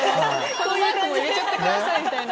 「このマークも入れちゃってください」みたいな。